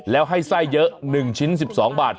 แล้วให้ไส้เยอะ๑ชิ้น๑๒บาท